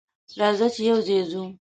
راځه چې یوځای ځو.